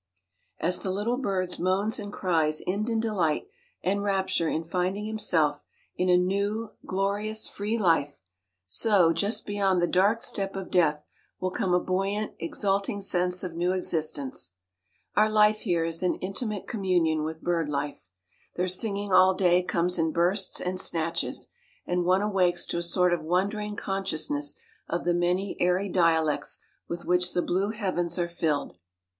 As the little bird's moans and cries end in delight and rapture in finding himself in a new, glorious, free life; so, just beyond the dark step of death, will come a buoyant, exulting sense of new existence. Our life here is in intimate communion with bird life. Their singing all day comes in bursts and snatches; and one awakes to a sort of wondering consciousness of the many airy dialects with which the blue heavens are filled.